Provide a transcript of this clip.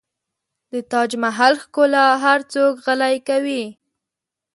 د تاج محل ښکلا هر څوک غلی کوي.